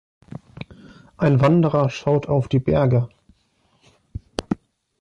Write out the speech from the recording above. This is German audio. Ein Wanderer schaut auf die Berge.